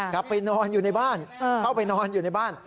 เข้าไปนอนอยู่ในบ้าน